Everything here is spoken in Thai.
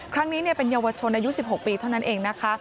ครั้งนี้เป็นเยาวชนอายุ๑๖ปีเท่านั้นเองนะคะ